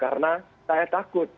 karena saya takut